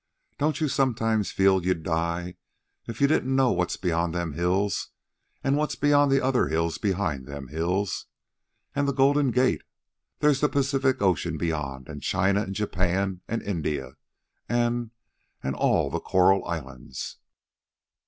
"Don't you sometimes feel you'd die if you didn't know what's beyond them hills an' what's beyond the other hills behind them hills? An' the Golden Gate! There's the Pacific Ocean beyond, and China, an' Japan, an' India, an'... an' all the coral islands.